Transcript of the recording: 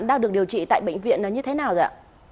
đang được điều trị tại bệnh viện là như thế nào ạ